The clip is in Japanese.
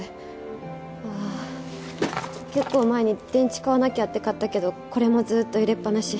ああ結構前に電池買わなきゃって買ったけどこれもずーっと入れっぱなし。